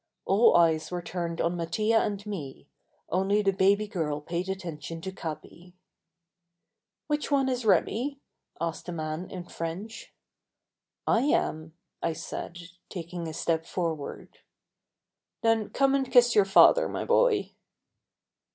All eyes were turned on Mattia and me, only the baby girl paid attention to Capi. "Which one is Remi?" asked the man in French. "I am," I said, taking a step forward. "Then come and kiss your father, my boy."